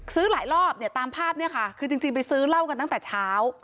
ซื้อหลายรอบเนี่ยตามภาพเนี่ยค่ะคือจริงไปซื้อเหล้ากันตั้งแต่เช้า